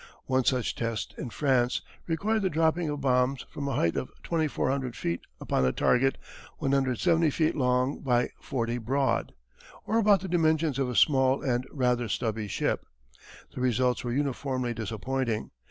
One such test in France required the dropping of bombs from a height of 2400 feet upon a target 170 feet long by 40 broad or about the dimensions of a small and rather stubby ship. The results were uniformly disappointing.